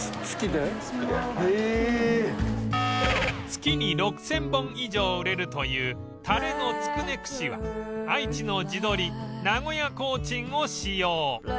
月に６０００本以上売れるというたれのつくね串は愛知の地鶏名古屋コーチンを使用